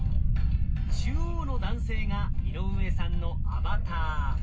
中央の男性が井上さんのアバター。